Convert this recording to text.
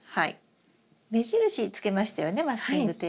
目印つけましたよね？